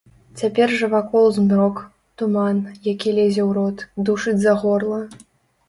Цяпер жа вакол змрок, туман, які лезе ў рот, душыць за горла.